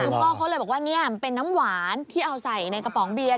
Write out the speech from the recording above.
คือพ่อเขาเลยบอกว่านี่มันเป็นน้ำหวานที่เอาใส่ในกระป๋องเบียร์